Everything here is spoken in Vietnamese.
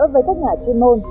với các nhà chuyên môn